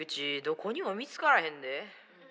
どこにも見つからへんで。